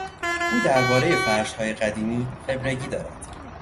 او دربارهی فرشهای قدیمی خبرگی دارد.